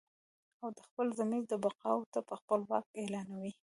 او د خپل ضمیر د بغاوته به خپل واک اعلانوي